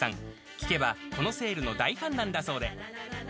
聞けば、このセールの大ファンなんだそうで。